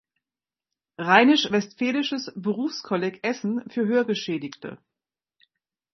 Rheinisch-Westfälisches Berufskolleg Essen für Hörgeschädigte